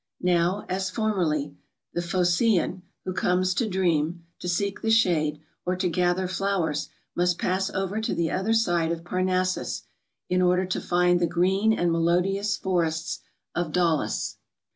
Now, as formerly, the Phocean, who comes to dream, to seek the shade, or to gather flowers, must pass over to the other side of Parnassus, in order to find the green and melodious forests of Daulis.